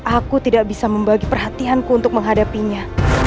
aku tidak bisa membagi perhatianku untuk menghadapinya